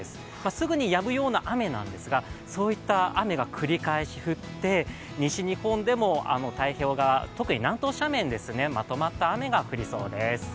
すぐにやむような雨なんですが、そういった雨が繰り返し降って、西日本でも太平洋側、特に南東斜面まとまった雨が降りそうです。